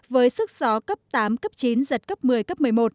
với sức gió cấp tám cấp chín giật cấp một mươi cấp một mươi một